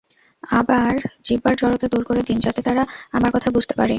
আমার জিহ্বার জড়তা দূর করে দিন, যাতে তারা আমার কথা বুঝতে পারে।